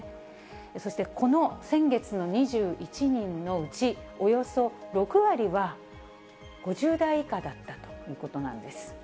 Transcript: そして、この先月の２１人のうち、およそ６割は、５０代以下だったということなんです。